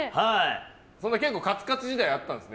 結構カツカツ時代あったんですね。